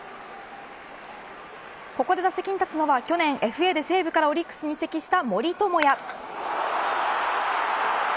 ここで打席に立つのは去年、ＦＡで西武からオリックスに移籍した森友哉。